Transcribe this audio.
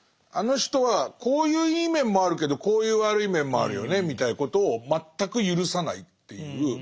あの人はこういういい面もあるけどこういう悪い面もあるよねみたいなことを全く許さないっていう。